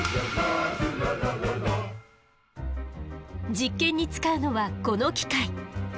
実験に使うのはこの機械。